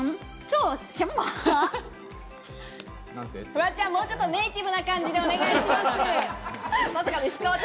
フワちゃん、もうちょっとネイティブな感じでお願いします。